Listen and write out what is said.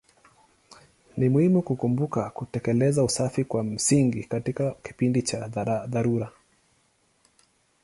Ni muhimu kukumbuka kutekeleza usafi wa kimsingi katika kipindi cha dharura.